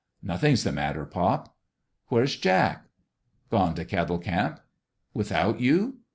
"Nothing's the matter, pop." "Where's Jack?" " Gone to Kettle Camp." " Without you